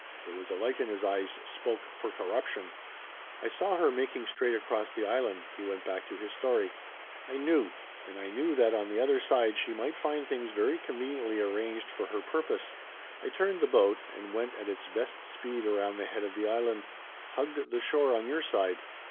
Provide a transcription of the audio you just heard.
There was a light in his eyes spoke for "corruption." "I saw her making straight across the Island," he went back to his story. "I knew. And I knew that on the other side she might find things very conveniently arranged for her purpose. I turned the boat and went at its best speed around the head of the Island. Hugged the shore on your side.